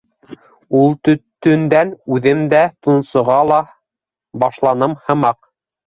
Ул төтөндән үҙем тонсоға ла башланым һымаҡ.